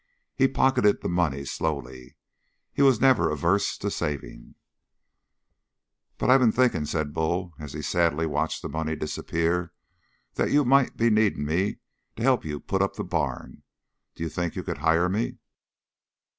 He pocketed the money slowly. He was never averse to saving. "But I've been thinking," said Bull, as he sadly watched the money disappear, "that you might be needing me to help you put up the barn? Do you think you could hire me?"